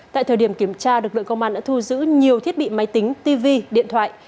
tại thời điểm kiểm tra lực lượng công an đã thu giữ nhiều thiết bị máy tính tv điện thoại